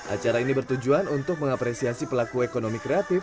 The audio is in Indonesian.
acara ini bertujuan untuk mengapresiasi pelaku ekonomi kreatif